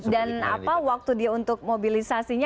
dan waktu dia untuk mobilisasinya